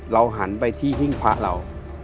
หันไปที่หิ้งพระเรา